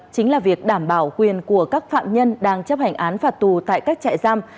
chính là việc đảm bảo quyền của các phạm nhân đang chấp hành án phạt tù tại các trại giam